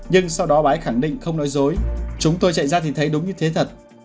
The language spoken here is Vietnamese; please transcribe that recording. nhưng sau đó bãi khẳng định không nói dối chúng tôi chạy ra thì thấy đúng như thế thật